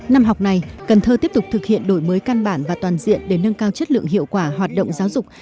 năm học này cần thơ tiếp tục thực hiện đổi mới căn bản và toàn diện để nâng cao chất lượng hiệu quả hoạt động giáo dục